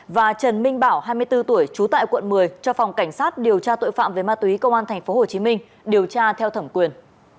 và trần minh bảo hai mươi bốn tuổi trú tại quận một mươi cho phòng cảnh sát điều tra tội phạm về ma túy công an tp hcm điều tra theo thẩm quyền